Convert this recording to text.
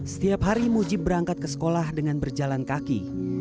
setiap hari mujib berangkat ke sekolah dengan berjalan kaki